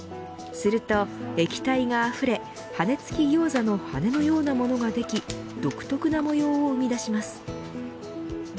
すると液体があふれ羽根付きギョーザの羽のようなものができ独特な模様を生み出します。